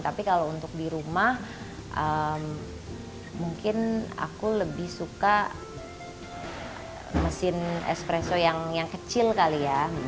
tapi kalau untuk di rumah mungkin aku lebih suka mesin espresso yang kecil kali ya